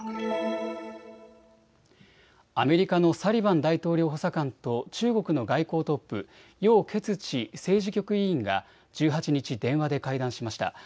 アメリカのサリバン大統領補佐官と中国の外交トップ、楊潔ち政治局委員が１８日、電話で会談しました。